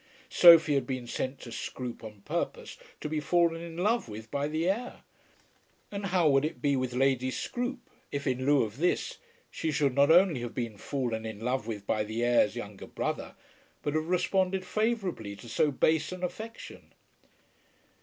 Sophie had been sent to Scroope on purpose to be fallen in love with by the heir; and how would it be with Lady Scroope if, in lieu of this, she should not only have been fallen in love with by the heir's younger brother, but have responded favourably to so base an affection?